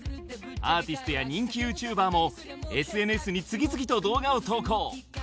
アーティストや人気ＹｏｕＴｕｂｅｒもＳＮＳに次々と動画を投稿。